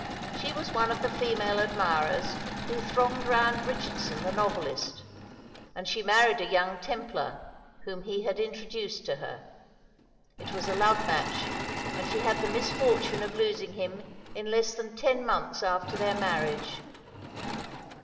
She was one of the female admirers who thronged round Richardson the novelist, and she married a young Templar whom he had introduced to her. It was a love match, and she had the misfortune of losing him in less than ten months after their marriage.